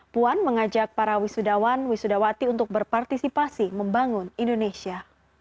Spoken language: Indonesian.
puan mengajak para wisudawan wisudawati untuk berpartisipasi membangun indonesia